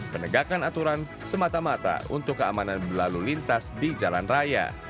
penegakan aturan semata mata untuk keamanan berlalu lintas di jalan raya